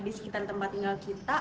di sekitar tempat tinggal kita